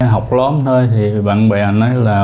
học lóm thôi thì bạn bè nói là